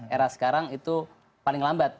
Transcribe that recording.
era sekarang itu paling lambat